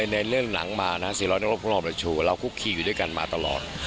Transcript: ในเรื่องหนังมานะฮะศิลปินดาราทุกคนเราคุกขี้อยู่ด้วยกันมาตลอด